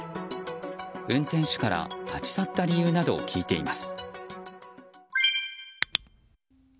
運転手から立ち去った理由などを聞いています。